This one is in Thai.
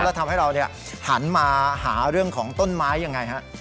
แล้วทำให้เราหันมาหาเรื่องของต้นไม้ยังไงฮะ